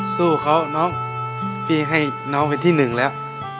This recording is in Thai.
สู้เขาน้องพี่ให้น้องเป็นที่หนึ่งแล้ว